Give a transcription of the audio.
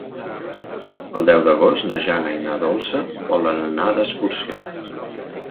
El deu d'agost na Jana i na Dolça volen anar d'excursió.